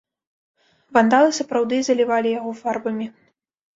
Вандалы сапраўды залівалі яго фарбамі.